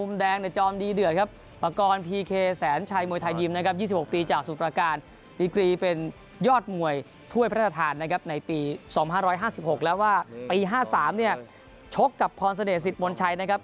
๒๕๕๖แล้วว่าปี๕๓เนี่ยชกกับพรสเนสิธมณ์ชัยนะครับ